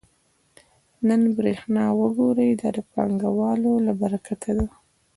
نن برېښنا وګورئ دا د پانګوالو له برکته ده